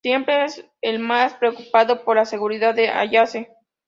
Siempre es el más preocupado por la seguridad de Ayase.